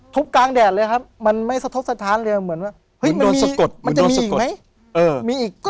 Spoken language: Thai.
ทุบกลางแดดเลยครับมันไม่ทุบสะท้านเลยมันเหมือนว่ามันจะมีอีกไหม